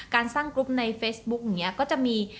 การสร้างกรุ๊ปในเฟซบุ๊กอย่างนี้ก็จะมี